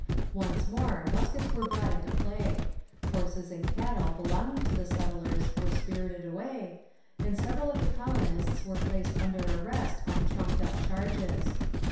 Once more muskets were brought into play; horses and cattle belonging to the settlers were spirited away; and several of the colonists were placed under arrest on trumped up charges.